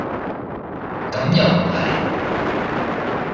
咁又唔係